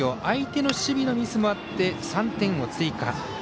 相手の守備のミスもあって３点を追加。